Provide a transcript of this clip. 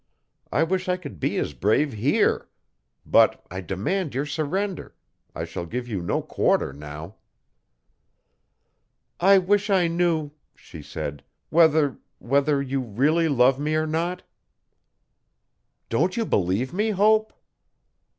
I wish I could be as brave here. But I demand your surrender I shall give you no quarter now. 'I wish I knew,' she said, 'whether whether you really love me or not? 'Don't you believe me, Hope?